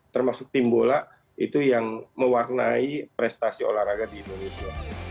termasuk tim bola itu yang mewarnai prestasi olahraga di indonesia